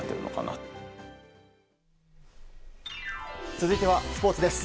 続いてはスポーツです。